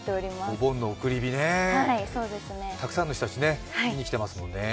お盆の送り火ね、たくさんの人が見に来ていますもんね。